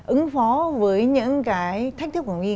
ứng phó với những cái thách thức của